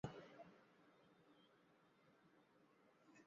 রুমী সুমীও ঘুম ভেঙে বাবার ঘরে ছুটে এল।